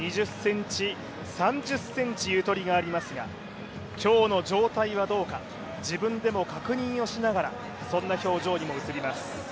まだ２０ｃｍ、３０ｃｍゆとりがありますが今日の状態はどうか、自分でも確認をしながらそんな表情にも映ります。